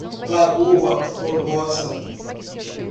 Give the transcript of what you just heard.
Lagoa Formosa